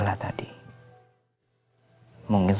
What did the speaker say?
lagi sekali bitch